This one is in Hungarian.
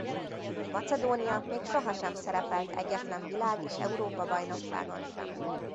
Macedónia még sohasem szerepelt egyetlen világ és Európa-bajnokságon sem.